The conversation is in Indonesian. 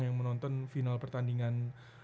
yang menonton final pertandingan